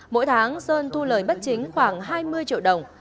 mỗi tháng sơn thu lời bất chính khoảng hai mươi triệu đồng